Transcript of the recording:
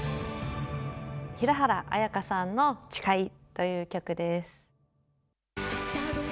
平原綾香さんの「誓い」という曲です。